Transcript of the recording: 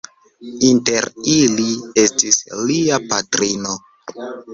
Inter ili estis Lia patrino.